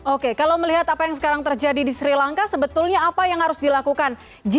oke kalau melihat apa yang sekarang terjadi di sri lanka sebetulnya apa yang harus dilakukan